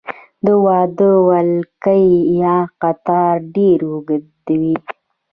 د واده ولکۍ یا قطار ډیر اوږد وي.